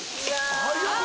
早っ！